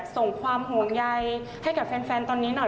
ส่งความห่วงใยให้กับแฟนตอนนี้หน่อย